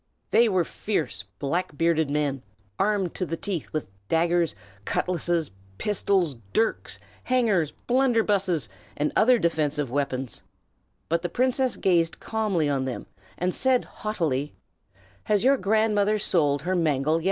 They were fierce, black bearded men, armed to the teeth with daggers, cutlasses, pistols, dirks, hangers, blunderbusses, and other defensive weapons; but the princess gazed calmly on them, and said haughtily, "Has your grandmother sold her mangle yet?"